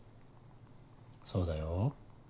そうだよ。